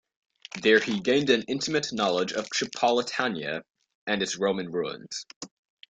There he gained an intimate knowledge of Tripolitania and its Roman ruins.